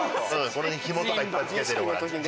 その辺にひもとかいっぱいつけてる。